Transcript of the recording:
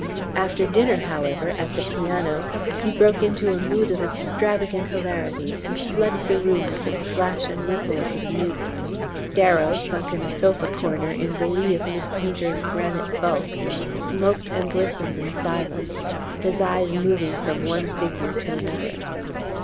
After dinner, however, at the piano, he broke into a mood of extravagant hilarity and flooded the room with the splash and ripple of his music. Darrow, sunk in a sofa corner in the lee of Miss Painter's granite bulk, smoked and listened in silence, his eyes moving from one figure to another.